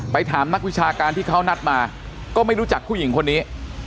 ถามนักวิชาการที่เขานัดมาก็ไม่รู้จักผู้หญิงคนนี้